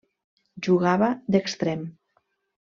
Jugava d'extrem.